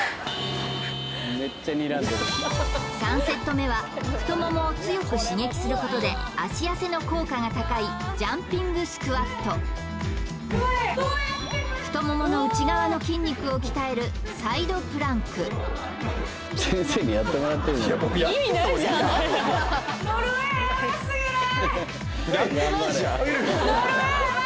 ３セット目は太ももを強く刺激することで足痩せの効果が高いジャンピングスクワット太ももの内側の筋肉を鍛えるサイドプランク上げる！